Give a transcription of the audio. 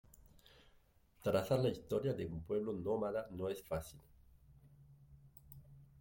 Trazar la historia de un pueblo nómada no es fácil.